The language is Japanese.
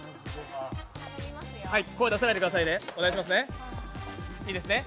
声出さないでくださいねいいですね。